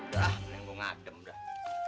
dah mending gue ngadem dah